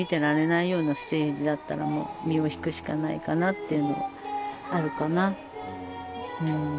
っていうのはあるかな。